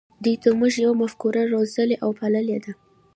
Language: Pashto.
دوی د "موږ یو" مفکوره روزلې او پاللې ده.